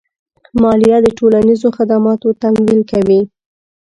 مالیه د ټولنیزو خدماتو تمویل کوي.